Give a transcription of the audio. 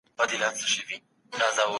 انسان د مځکي ټول واک په لاس کي لري.